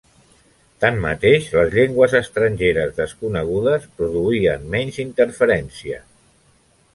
Tanmateix, les llengües estrangeres desconegudes produïen menys interferència.